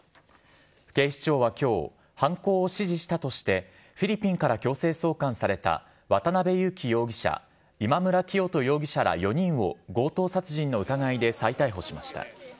警視庁はきょう、犯行を指示したとして、フィリピンから強制送還された渡辺優樹容疑者、今村磨人容疑者ら４人を強盗殺人の疑いで再逮捕しました。